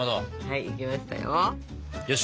はいいけましたよ。